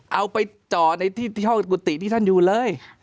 เอาไปจ่อในที่ห้องกุฏิที่ท่านอยู่เลย